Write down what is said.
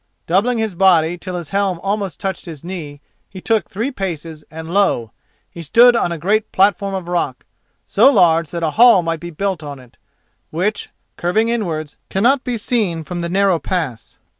Doubling his body till his helm almost touched his knee he took three paces and lo! he stood on a great platform of rock, so large that a hall might be built on it, which, curving inwards, cannot be seen from the narrow pass.